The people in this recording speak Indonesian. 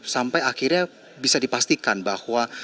sampai akhirnya bisa dipastikan bahwa